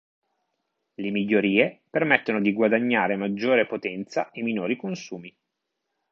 Le migliorie permettono di guadagnare maggiore potenza e minori consumi.